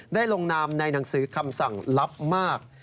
ลงนามในหนังสือคำสั่งลับมาก